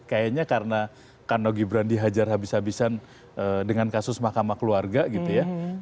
kayaknya karena gibran dihajar habis habisan dengan kasus mahkamah keluarga gitu ya